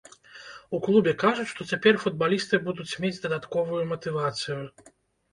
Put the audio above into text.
У клубе кажуць, што цяпер футбалісты будуць мець дадатковую матывацыю.